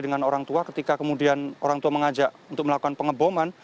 dengan orang tua ketika kemudian orang tua mengajak untuk melakukan pengeboman